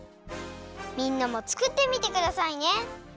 みんなもつくってみてくださいね！